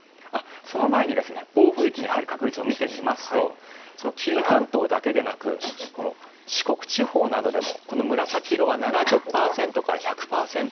その前に暴風域に入る確率を見てみますと紀伊半島だけでなく四国地方などでも紫色は７０％から１００％。